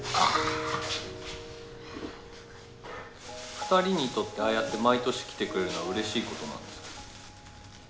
２人にとってああやって毎年来てくれるのはうれしいことなんですか？